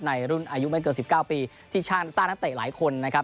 ในรุ่นอายุไม่เกิน๑๙ปีที่ช่างสร้างนักเตะหลายคนนะครับ